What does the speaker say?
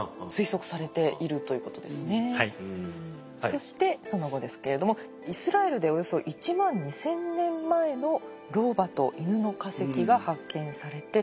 そしてその後ですけれどもイスラエルでおよそ１万２，０００年前の老婆とイヌの化石が発見されて。